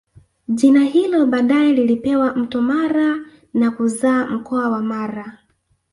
Jina hilo baadae lilipewa Mto Mara na kuzaa mkoa wa Mara